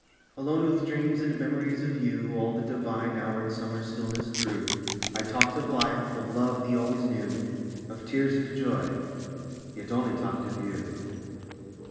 Alone with dreams and memories of you, All the divine houred summer stillness through I talked of life, of love the always new, Of tears, and joy, yet only talked of you.